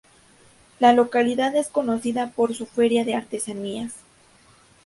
La localidad es conocida por su feria de artesanías.